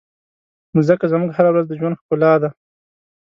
مځکه زموږ هره ورځ د ژوند ښکلا ده.